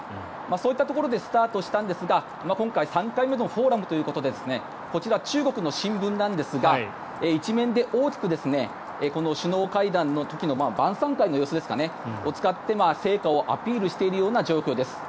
そういったところでスタートしたんですが今回３回目のフォーラムということでこちら、中国の新聞なんですが１面で大きくこの首脳会談の時の晩さん会の様子を使って成果をアピールしているような状況です。